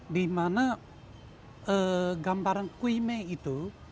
di mana gambaran kui mei itu